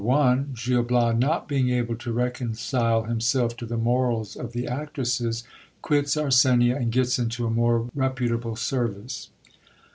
— Gil Bias not being able to reconcile himself to the morals of the actresses, quits Arsenia, and gets into a more reputable service.